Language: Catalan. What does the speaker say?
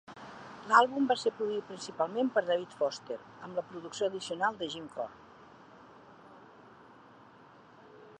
L'àlbum va ser produït principalment per David Foster, amb la producció addicional de Jim Corr.